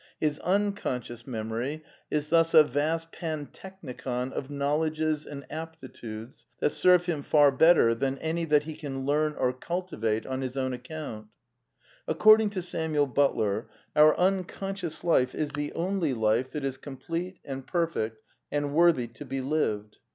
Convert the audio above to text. His un conscious memory is thus a vast pantechnicon of knowl / edges and aptitudes that serve him far better than any that he can learn or cultivate on his own account. Ac cording to Samuel Butler our unconscious life is the only life that is complete and perfect and worthy to be lived.